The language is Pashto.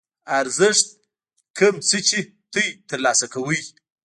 ارزښت کوم څه چې تاسو ترلاسه کوئ.